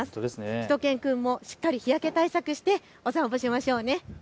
しゅと犬くんもしっかり日焼け対策してお散歩しましょうね。